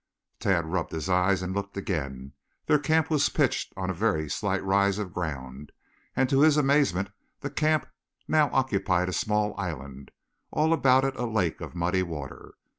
Tad rubbed his eyes and looked again. Their camp was pitched on a very slight rise of ground, and to his amazement the camp now occupied a small island, all about it a lake of muddy water.